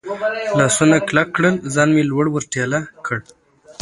لاسونه کلک کړل، ځان مې لوړ ور ټېله کړ.